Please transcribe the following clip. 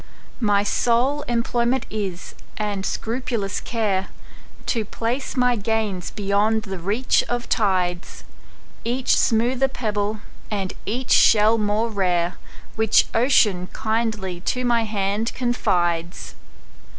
My sole employment is, and scrupulous care, To place my gains beyond the reach of tides,—Each smoother pebble, and each shell more rare, Which Ocean kindly to my hand confides.